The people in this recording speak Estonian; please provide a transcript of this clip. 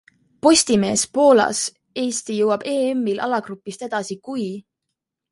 POSTIMEES POOLAS Eesti jõuab EMil alagrupist edasi, kui...